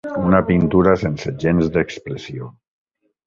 Una pintura sense gens d'expressió.